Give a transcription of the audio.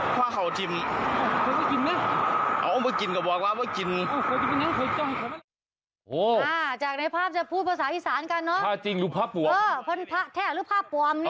พอเกิดแบบนี้มากไม่เกิดให้จิ้ม